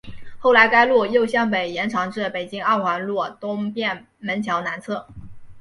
后来该路又向北延长至北京二环路东便门桥南侧。